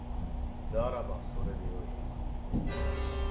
ならばそれでよい。